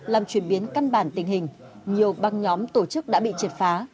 làm chuyển biến căn bản tình hình nhiều băng nhóm tổ chức đã bị triệt phá